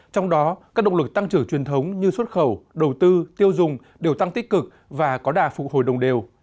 trong đó các động lực tăng trưởng truyền thống như xuất khẩu đầu tư tiêu dùng đều tăng tích cực và có đà phụ hồi đồng đều